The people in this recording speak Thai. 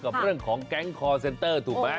กับเรื่องของแก๊งคอร์เซ็นเตอร์ถูกไหม